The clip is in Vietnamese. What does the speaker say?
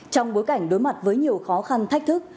trong bối cảnh đối mặt với nhiều khó khăn thách thức